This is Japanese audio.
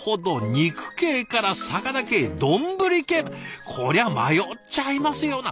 肉系から魚系丼系こりゃ迷っちゃいますよな。